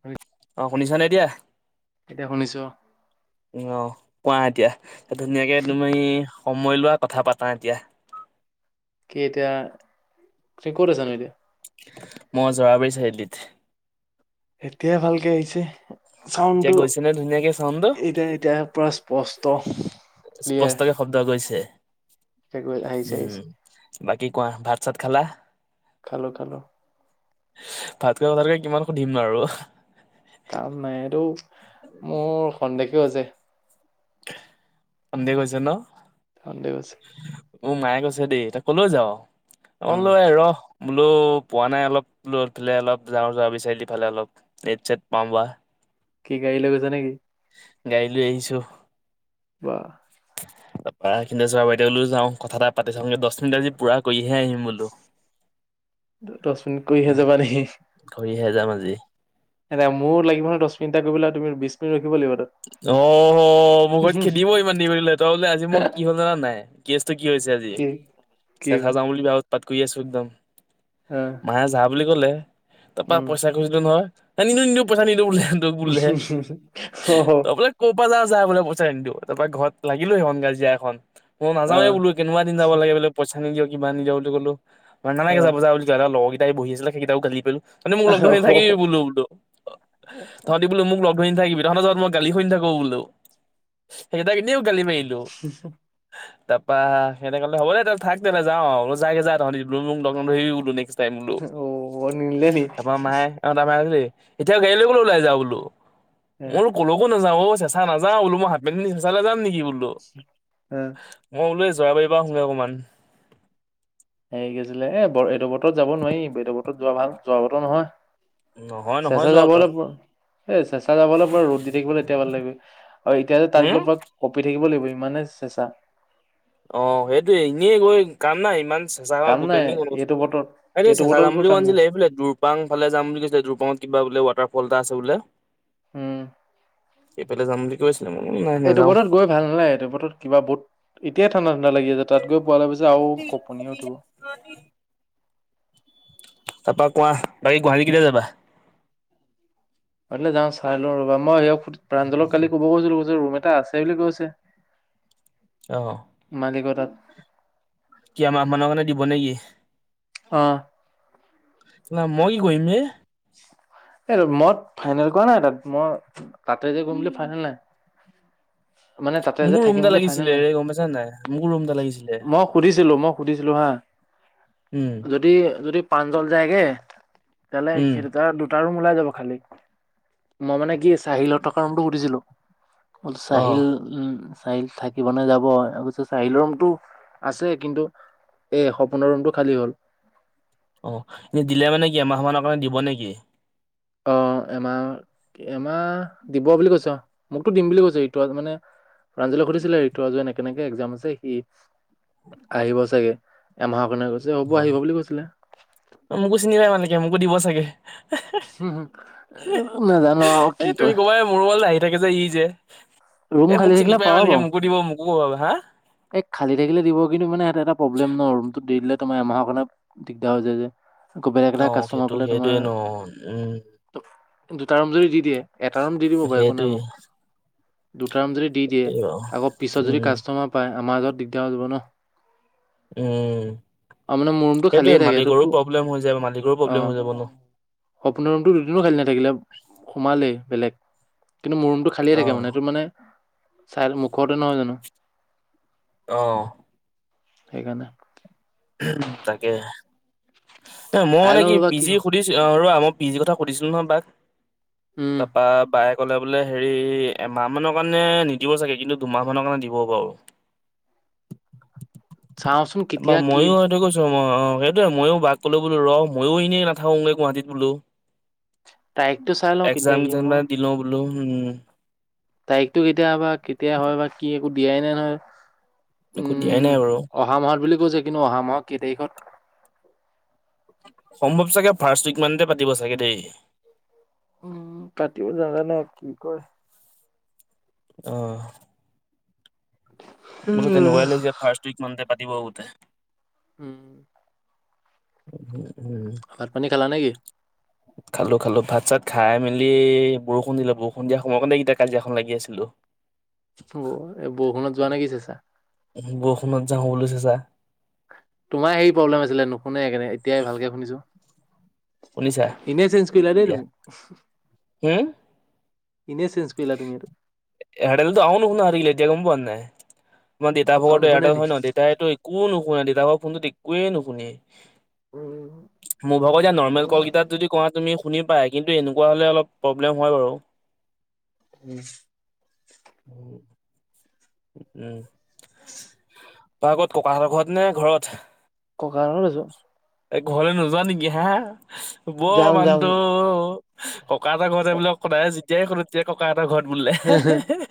হয় অঁ শুনিছা ন এটিয়া এতিয়া শুনিছো আহ কোৱা এতিয়া ধুনীয়াকে একদমি মই লোৱা কথা পাতা এতিয়া কি এতিয়া তুমি ক'ত আছানো এতিয়া মই জৰাবাৰী চাৰিআলত এতিয়াই ভালকে আহিছে এতিয়া চাউডটো গৈছে নে ধুনীয়াকে চাউণ্ডটো এতিয়া এতিয়া পৰস্প পস্ত স্পষ্টকে শব্দ গৈছে আহিছে আহিছে উম বাকী কোৱা ভাত চাত খালা খালো খালো ভাতকুৱ ভাতকৈ কিমান সুধিম আৰু কাম নাই এইটো মোৰ সন্দেহকে হৈছে আন্দে কৈছে ন ধ দে বছে উ মায়ে কৈছে দেই তই কলেও যাও অ উম লৈ ৰ বোলো পোৱা নাই অলপ লালে অলপ যাওঁ চ বিচাৰি দিালে অলপ নেট চেট পাম বা কি গাড়ী লৈ গৈছা নেকি গাড় লৈ আহিছো ৱ তাৰ পৰাৰা সন্ত চোৱা বাইদেউওলও যাওঁ কথা এটা পাতি চাওঁ দহ মিনিট আজি পুৰা কৰিহে আহিম বোলো দহ মিনিট কৰিহে যাবা নেকি কৰিহে যাম আজি এ মোৰ লাগিব নহয় দহ মিনিটটা কৰিবেল তু বি অ মোৰ ঘত খেদিব ইমান দিিবিল তই বোলে আজি মোৰ কি হ'ল জানা নাই কি কেচটো হৈছে আজি কি কি চাজা বুলি ব্য পাত গুৈ আ সুদ্ধদাম অ মায়ে জ বুলি ক'লে তাৰপা উম পইচা কচো নহয় ন নিু নি পইচা নিদ উে উ উম হম তপ ক'ব বজ যা বোলে পইচাই আনি দিওঁ তাৰ পৰা ঘৰত লাগিলো সেইখন গাজিয়া এখন ম নাৱ বোলো কেকুৱািন যাব লে বোলে পইা নি যা কিবা নি যা বুলি কলো মানে নে চাবজজ তাইহি আছিল সেইটাও গালি পো তহঁতি মোক লগ ধি অ থাকিবি বোলো বোলো অ তহঁতি বো মোক লগ গ থাকিবি দেখৰ যত মই গালিুনি থাকো বোলো সেইকেই নি গালিমে ইল তাপা সিঁহতে ক'লে হ'ব দে থাক তেনে যাওঁ‌ আৰু, ম, বোলো যা তহঁতি এনেও মোক লগ নধৰিবি বোলো নেক্স টাইম বোলো অ বৰ নিনিলে নি তাপা মায়ে অ', [unintelligible] এতিয়া গাড়ী লৈ গলোঁ ওলাই যাওঁ বোলো মোৰ কলোকো নাযাওঁ অ', চেঁচা নাযাওঁ‌‌ বোলো হাফ পেন্ট পিন্ধি চেঁচালে যাম নি মই বোলোঁ চৰাইবাৰিৰ আহোগৈ অকণমান। হেৰি কি আছিলে এ, বৰ এইটো বতৰত যাব নোৱাৰি, এইটো বতৰত যোৱা ভাল যোৱা বতৰ নহয়। নহয় নহয় চেঁচা যোৱা তই যাবলৈ এ, চেচাঁ যাবলৈ পুৰা ৰ'দ দি থাকিবলৈ এতিয়া ভাল লাগিব আৰু এতিয়া তাত উম, গৈ পুৰা কঁপি থাকিব লাগিব। ইমানে চেঁচা অ', সেইটোৱে এনিয়ে গৈ কাম নাই ইমান চেঁচা কাম নাই এইটো বতৰত [unintelligible] এইটো চেচাঁ বতৰত যাম গৈ বুলি কোৱা কাম নাই নাছিলে এইফালে দোৰপাং ফালে যাম বুলি কৈছিলে দুৰপাঙত কিবা বোলে ৱাটাৰ ফ'ল এটা আছে বোলে। উম। এইফালে যাম বুলি কৈছিলে মই বোলো নাই এইটো নাযাওঁ। বতৰত গৈ ভাল নালাগে, এইটো বতৰত কিবা বহুত এতিয়া ঠাণ্ডা ঠাণ্ডা লাগি আছে, তাত গৈ পাৱালৈ পিছে আৰু কঁপনি উঠিব। তাৰাপা কোৱা, বাকী গুৱাহাটী কেতিয়া যাবা? অ', যাওঁ, চাই লওঁ ৰবা মই স প্ৰাঞ্জলক কালি ক'ব গৈছিলো যে ৰুম এটা আছে বুলি কৈছে। অ'। মালিকৰ তাত কি আমাৰ মানৰ কাৰণে দিব নেকি? হ'। না মই কি কৰিম এ এই মই ফাইনেল কোৱা নাই তাত, মই তাতে যে গম বুলি ফাইনেল নাই। মানে তাতে যে মোকো ৰুম থাকিম এটা বুলি ফাইনেল লাগিছিলে নাই হে গম পাইছা নাই, মোকো ৰুম এটা লাগিছিলে। মই সুধিছিলো মই সুধিছিলো হা উম যদি, যদি পাঞ্জল যায়গে তহ'লে উম সেই দুটা দুটা ৰু উলাই যাব খালি, মই মানে কি চাহিলৰ থকা ৰুমটো সুধিছিলো। অ চাহিল, উম। চাহিল থাকিব নে যাব অ', চাহিলৰ ৰুমটো আছে কিন্তু এ সপোনৰ ৰুমটো খালী হ'ল। অ', এনে দিলে মানে কি এমাহ মানৰ কাৰণে দিব নেকি? অ', এমাহ, এমাহ দিব বুলি কৈছ মোকটো দিম বুলি কৈছ ৰিতু মানে প্ৰাঞ্জলে সুধিছিলে ৰিতু কেনেকে এক্জাম আছে সি আহিব চাগে এমাহৰ নে কৈছে হ'ব আহিব অ বুলি কৈছিলে। এ মোকো দিব চাগে। উম, নাজানো আৰু কি তুমি কয়। ক'বা মোৰ ৰুমলে আহি এ থাকে যে ই যে। এ ৰুম মোক খালী চিনি থাকিলে পাই পাব মালিকে পাও। [unintelligible] হা? এই খালী থাকিলে দিব। কিন্তু মানে ই এটা প্ৰব্লেম ন ৰুম দি দিলে তোমাৰ এমাহৰ কাৰনে দিগদাৰ হৈ যায় যে। আকৌ বেলেগ অ এটা কাষ্টমাৰ সেইটো পালে তোমাৰ সেইটোৱে ন উম দুটা ৰুম যদি দি দিয়ে। এটা ৰুম দি দিব বাৰু, একো নাই সেইটোৱে মোক। দুটা ৰুম যদি দি দিয়ে, সেইটোৱে বাৰু আকৌ পিছত যদি উম কাষ্টমাৰ আমাৰ মাজত দিগদাৰ হৈ যাব ন। উম অ' মানে মোৰ ৰুমটো সেইটোৱে খালিয়েই থাকে। সেইটোত মালিকৰো প্ৰব্লেম হৈ যায় মালিকৰো অ প্ৰব্লেম হৈ যাব ন সপোনৰ ৰুমটো দুদিনো খালি নাথাকিলে সোমালেই। বেলেগ। কিন্তু মোৰ ৰুমটো খালিয়ে অ থাকে। মানে এইটো মানে চাইট, মুখতে নহয় জানো। অ'। সেইকাৰণে। তাকে। এ' মই চাই মানে লওঁ কি ৰ'বা বিজি সুধিচি। অ' ৰবা মই পিজি কথা সুধিছিলোঁ নহয় বাক। উম তাপা বায়ে ক'লে বোলে হেৰি এমাহ মানৰ কাৰণে নিদিব চাগে, কিন্তু দুমাহ মানৰ কাৰণে দিব বাৰু। চাওঁচোন কেতিয়া কি অ'অ সেইটোৱেই, মইয়ো বাক ক'লো, বোলো ৰহ মইও এনেই নাথাকোগৈ, গুৱাহাটীত বোলো। তাৰিখটো চাই লওঁ একযাম কেতিয়া যেনিবা দিলো বোলো। উম। তাৰিখতটো কেতিয়া বা, কেতিয়া হয় বা কি একো। দিয়াই নাই নহয়। একো দিয়াই নাই উম বাৰু অহা মাহত বুলি কৈছে, কিন্তু অহা মাহত কেই তাৰিখত সম্ভৱ চাগে, ফাৰ্ষ্ট উইকমানতে পাতিব চাগে দেই। উ তাতেও জানা নাই কি কয়। অহ মোৰটো তেনেকুৱাই উম লাগিছে ফাৰ্ষ্ট উইক মানতে। পাতিব বহুতে উম'। [inaudible] ভাত পানী খালা নে কি? খালো খালো ভাত চাত খাই মেলি বৰষুণ দিলে, বৰষুণ দিয়া সময় কাৰণে এতিয়া কাজিয়াখন লাগি আছিলো। অ' এই বৰষুণত যোৱা নে কি চাইছা। য'ত যাও বুলিছে যাই তোমাৰ হে প্ৰব্লেম আছিলে নুশুনে সেই কাৰনে এতিয়াই ভালকে শুনিছো। শুনিছা ইনেই চেঞ্চ কৰিলা নেকি এতিয়া তুমি? ইনে আছিলো। এয়াৰতেলতো আৰু নুশুনা হৈ থাকিলে এতিয়া গম পোৱা নাই। আমাৰ দেউতা আৰু ভাগতো নুশুনে এয়াৰটেল নি হয় ন, দেতাইটো একো নুশুনে তাৰপৰা ফোনটোত একোৱে নুশুনি উম মোৰ ভাগত এয়া নৰ্মেল কল কিতাত যদি কোৱা তুমি শুনি পায় কিন্তু এনেকুৱা হ'লে অলপ প্ৰব্লেম হয় বাৰু উম। উম। [inaudible] তই আগত ককাহ ঘৰত নে ঘৰত? ককা হঁতৰ তাত আছো। এই ঘৰলৈ নোযোৱা নেকি হে হা। বৰ যাম মানটো যাম ককা-আইতা ঘৰতে এইবিলাক সদাই যেতিয়াই সোধো যে ককা এটা ঘৰত বুলে হে-হে।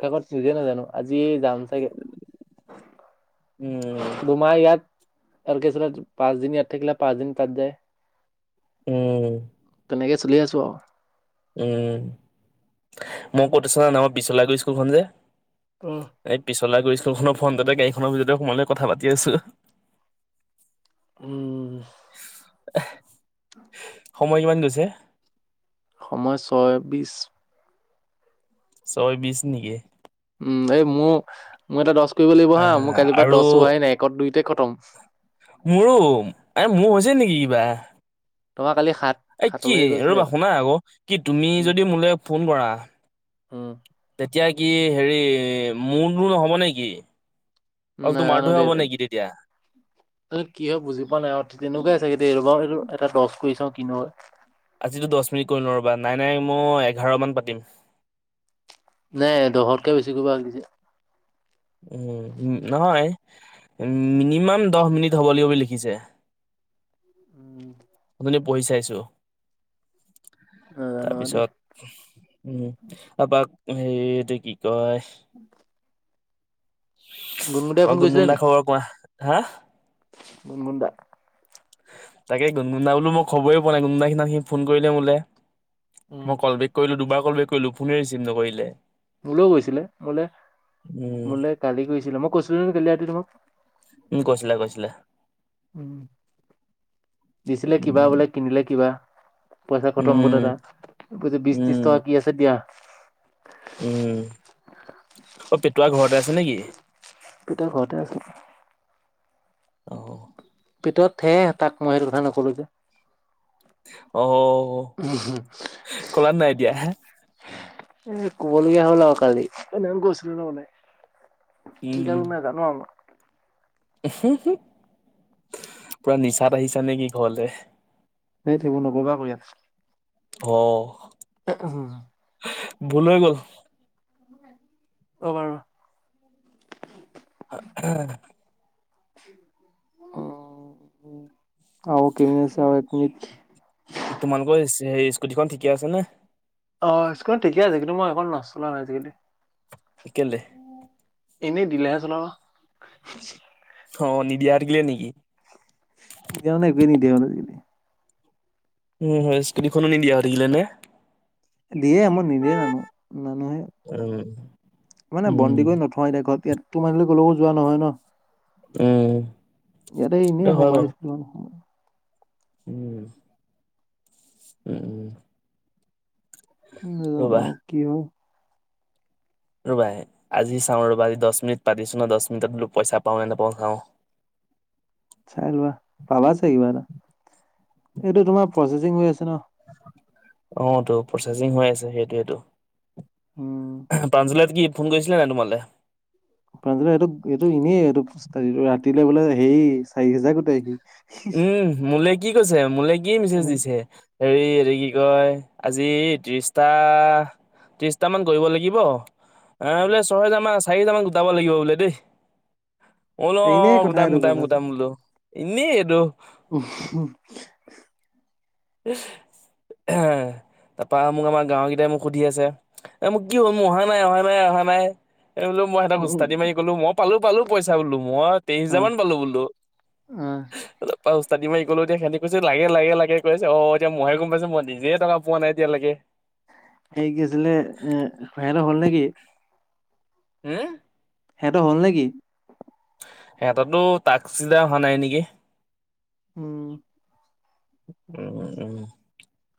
কাকত নিজে নাজানো আজি যাম চাগে। উম। আৰু কি আছিল পাঁচ দিন ইয়াত থাকিলে পাঁচ দিন তাত যায়। উম। তেনেকৈ চলি আছো আৰু উম' মোৰ প্ৰতিষ্ঠানৰ নামত বিশলাগুৰি স্কুলখন যে এই পিছলা কৰিছে স্কুলখনৰ ফ্ৰন্টততে গাড়ীখনৰ ভিততে সোমাই লৈ কথা পাতি আছো। উম। [inaudible] সময় কিমান গৈছে? সময় ছয় বিছ। ছয় বিছ নেকি? উম, এই মোৰ, মোৰ এটা দছ কৰিব লাগিব হা, মোৰ আহ কালি পৰা আৰু দজ হোৱাই নাই একত দুইতে খ টম মোৰো এ মোৰ হৈছে নেকি কিবা? তোমাৰ কালি সা এই কি ৰ'বা শুনা আকৌ, কি তুমি উম যদি মোলৈ ফোন কৰা উম তে এতিয়া কি হেৰি মোৰনো নহ'ব নেকি? অল নাজানো তোমাৰটোহে দে হ'ব নেকি তেতিয়া কি হয়, বুজি পোৱা নাই আৰু তেনেকুৱাই চাগে দেই ৰ'বা এটা দছ কৰি চাওঁ কিনো হয় আজিতো দচ মিনিট কৰি লওঁ ৰ'বা। নাই, নাই মই এঘাৰ মান পাতিম। নাই দহতকে বেছি কৰিব হাগ দিছে। উম, নহয় মিনিমাম দহ মিনিট হ'ব লাগিব বুলি লিখিছে। [unintelligible] অথনি পঢ়ি চাইছো। নাজানো আৰু দেই তাৰপিছত উম, তাপা হেৰি এইটো কি কয় [unintelligible] গুণগুণদাই ফোন [unintelligible] দাৰ খবৰ কোৱা? হা গুনগুন দা তাকে গুনগুন দা বোলো মই খবৰেই পোৱা নাই গুনগুন দাই সি, ফোন কৰিলে মোলে। উম মই কল বেক কৰিলোঁ দুবাৰ কল বেক কৰিলোঁ ফোনে ৰিচিভ নকৰিলে। মোলেয়ো কৰিছিলে মোলে, উম মোলে কালি কৰিছিলে মই কৈছিলোঁ কালি ৰাতি তোমাক? উম, কৈছিলা, কৈছিলা। উম, দিছিলে কিবা উম বোলে, কিনিলে কিবা। পইচা খতম বোলে উম তাৰ। বিশ, ত্ৰিশ উম টকা কি আছে দিয়া। [inaudible] উম অ', পেটুৱা ঘৰতে আছে নেকি? পেতুৱা ঘৰতে আছে। অহ। পিতৰত থে তাক মই সেইটো কথা নক'লো যে। অ'। অ', কলাত নাই এতিয়া এ ক'বলগীয়া হ'ল আৰু কালি এ গৈছিলো ন' মানে। কি [unintelligible] নেজান' উহ, উহ, পুৰা নিচাত আহিছা নেকি ঘৰলে? এই সেইবোৰ নক'বা আকৌ ইয়াত। অ'। [inaudible] ভুল হৈ গ'ল। ৰ'বা ৰ'বা। [inaudible] অ', আৰু কেমিনিট আছে, আৰু একমিনিট। তোমালোকৰ এ চে স্কুটিখন ঠিকে আছে নে? অ', স্কুটিখন ঠিকে আছে কিন্তু মই সেইখন নাচলাওঁ এ আজিকালি। কেলে? এনেই দিলেহে চলাবা। অ', নিদিয়া হৈ থাকিলে নেকি? দিয়া নাই বিনি, দিয়া নাই বিনি। উম, হয় স্কুটিখনো নিদিয়া হৈ থাকিলে নে? দিয়ে, মই নিদিয়ে জানো। উম। মানে উম বন্দী কৰি নোথয় এতিয়া ঘৰত ইয়াত তোমাকলৈ ক'লেকো যোৱা নহয় ন'? উম। ইয়াতে এইটো এনেই হয় বাৰু সোমাইছো [unintelligible] উম। উম। ৰবা নেজানো কিয়? ৰ'বা আজি চাওঁ ৰ'বা আজি দছ মিনিট পাতিছো ন'? দছ মিনিট বোলো পইচা পাওঁ নে নাপাওঁ চাওঁ। চাই লোৱা, পাবা চাগে কিবা এটা, এইটো তোমাৰ প্ৰচেচিং হৈ আছে ন'? অ', টো প্ৰচেচিং হৈ আছে সেইটোয়েইটো। উম পাঞ্জল ইয়াত কি ফোন কৰিছিলে নাই তোমালে? প্ৰাঞ্জলে এইটো, এইটো এনেই এইটো ফুষ্টদিটো ৰাতিলে বোলে হেৰি চাৰি হোজাৰ গোটাই সি উম মোলে কি কৈছে মোলে কি মিছেজ দিছে হেৰি এইটো কি কয়, আজি ত্ৰিছটা, ত্ৰিছটামান কৰিব লাগিব আ, বোলে চহেজাৰ মান আচ চাৰি হাজাৰমান গোটাব লাগিব বোলে দেই মই বোলো এনেই অ', কথা গুটাম, এইটো গুটাম, গুটাম বোলো। ইনেই এইটো উ' হো হে তাপা মোক আমাৰ গাঁৱৰ গিতাই মোক সুধি আছে, এ মোৰ কি হ'ল? মোৰ অহা নাই, অহা নাই, অহা নাই এই বোলো মই সিহঁতক ওস্তাদ মাৰি ক'লো মই পালো পালো পইচা বোলো মই তেইছ অ হাজাৰ মান পালো বোলো অ তা মই গলো এতিয়া সিহঁটি কৈছে লাগে লাগে লাগে কৈছে অ এতিয়া মইে গম পাইছে মই নিজে টকা পোৱা নাই এতিয়ালৈকে এই গ আছিলে ইহতৰ হ'ল নেকি হম সিহঁতৰ হ'ল নেকি সিহঁতো তো তাক চিধা অহা নাই নেকি উম উম উম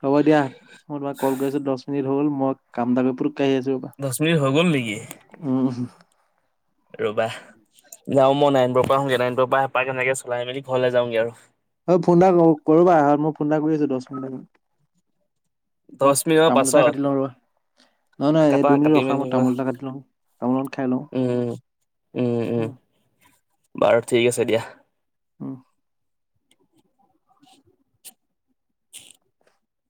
হ'ব দিয়া মই তোমাক কল কৰিছো দহ মিনিট হল মই কামদাব পুৰ কাই আছো ৰ দহ মিনিট হৈ গ'ল নেকি বা উম ৰবা যাও মই নাইনপৰ পৰা হওঁগে নাইনবৰ পৰা এঁপাহ কেনেকে চলাই মেলি ঘৰলৈ যাওঁগে আৰু হয় ফোন এটা কৰ কৰবাঁত মই ফোন এটা কৰি আছো দহ মিনিট ম দহ মই মিনিটৰ তামোল এটা পাছত কাটি লওঁ আৰু নহয় নহয় এই কাটা দুই মিনিট কাটি ৰখা মেলি মই তামোল এটা কাটি লওঁ তামোল এ খাই লওঁ উম উম উম বাৰু ঠিক আছে দিয়া আহ